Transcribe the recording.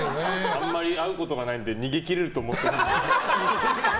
あんまり会うことがないので逃げ切れると思って。